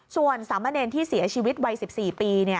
ส่วนสามเณรที่เสียชีวิตวัย๑๔ปี